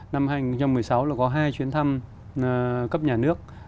năm hai nghìn một mươi sáu là có hai chuyến thăm cấp nhà nước